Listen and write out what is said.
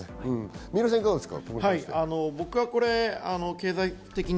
三浦さん、いかがですか？